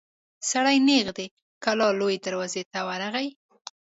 سړی نېغ د کلا لويي دروازې ته ورغی.